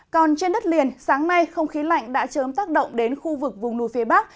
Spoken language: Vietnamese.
còn trên đất liền sáng nay không khí lạnh đã chớm tác động đến khu vực vùng núi phía bắc